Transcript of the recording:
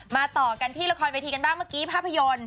ต่อกันที่ละครเวทีกันบ้างเมื่อกี้ภาพยนตร์